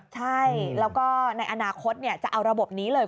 ใช่แล้วก็ในอนาคตจะเอาระบบนี้เลย